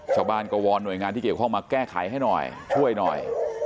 ชาวบ้านก็วอนหน่วยงานที่เกี่ยวข้องมาแก้ไขให้หน่อยช่วยหน่อย